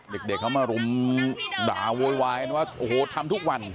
เด็กเขามารุมด่าโวยวายกันว่าโอ้โหทำทุกวัน